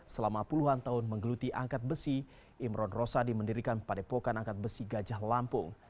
selama puluhan tahun menggeluti angkat besi imron rosadi mendirikan padepokan angkat besi gajah lampung